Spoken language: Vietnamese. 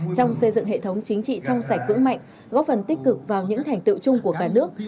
trong xây dựng hệ thống chính trị trong sạch vững mạnh góp phần tích cực vào những thành tựu chung của cả nước